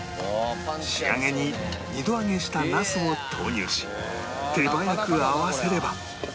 仕上げに２度揚げしたナスを投入し手早く合わせれば